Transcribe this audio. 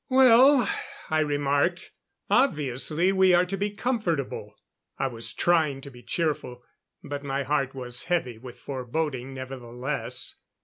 "Well," I remarked. "Obviously we are to be comfortable." I was trying to be cheerful, but my heart was heavy with foreboding nevertheless.